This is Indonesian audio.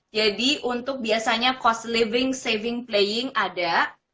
jadi untuk biasanya cost living saving playing ada